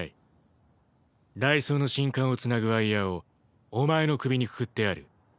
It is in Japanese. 雷槍の信管を繋ぐワイヤーをお前の首にくくってある。